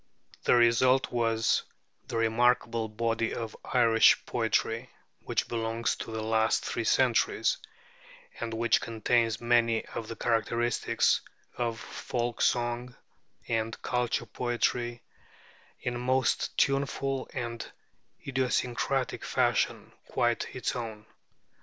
The result was the remarkable body of Irish poetry which belongs to the last three centuries, and which contains many of the characteristics of folk song and culture poetry, in a most tuneful and idiosyncratic fashion quite its own.